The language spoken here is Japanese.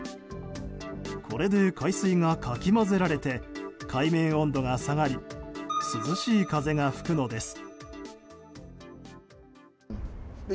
これで海水がかき混ぜられて海面温度が下がり涼しい風が吹くのです。